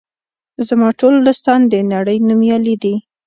زما ټول دوستان د نړۍ نومیالي دي.